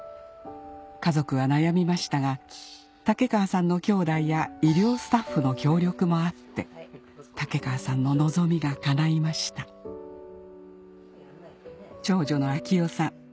家族は悩みましたが竹川さんのきょうだいや医療スタッフの協力もあって竹川さんの望みが叶いました長女の晃代さん